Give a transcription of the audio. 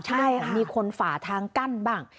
ใช่ค่ะมีคนฝ่าทางกั้นบ้าง